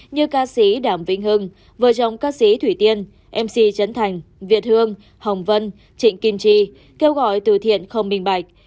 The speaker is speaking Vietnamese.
như ca sĩ đảm vĩnh hưng vợ chồng ca sĩ thủy tiên mc trấn thành việt hương hồng vân trịnh kim chi kêu gọi từ thiện không bình bạch